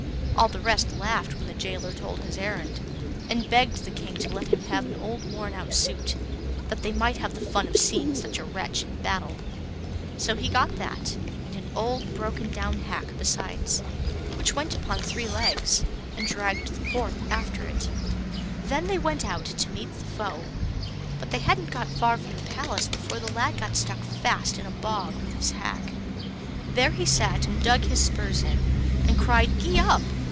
All the rest laughed when the gaoler told his errand, and begged the King to let him have an old worn out suit, that they might have the fun of seeing such a wretch in battle. So he got that, and an old broken down hack besides, which went upon three legs, and dragged the fourth after it. [Illustration: The Lad in the Battle.] Then they went out to meet the foe; but they hadn't got far from the palace before the lad got stuck fast in a bog with his hack. There he sat and dug his spurs in, and cried, "Gee up!